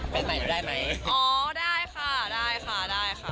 ไปไหนได้ไหมอ๋อได้ค่ะได้ค่ะได้ค่ะ